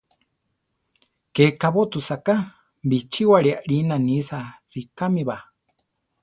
Ke kabótusa ka, bichíwari arina nisa rikámiba.